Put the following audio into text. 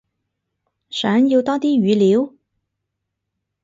想要多啲語料？